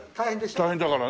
大変だからね